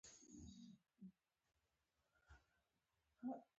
بشرپالنه یوازې سیاسي شعارونه نه دي.